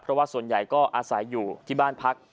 เพราะว่าส่วนใหญ่ก็อาศัยอยู่ที่บ้านพัก